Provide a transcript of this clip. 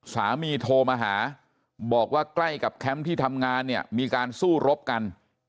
โทรมาหาบอกว่าใกล้กับแคมป์ที่ทำงานเนี่ยมีการสู้รบกัน